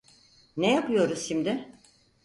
Ne yapıyoruz şimdi?